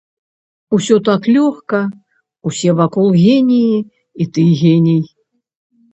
Усё так лёгка, усе вакол геніі, і ты геній.